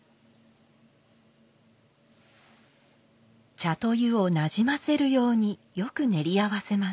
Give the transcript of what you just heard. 茶と湯をなじませるようによく練り合わせます。